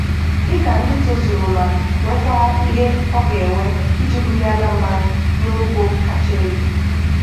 dịka ndị tozuru ma nwekwa ihe ọ ga-ewe iji bulie Anambra n'ogo kacha elu